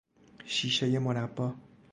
شیشهی مربا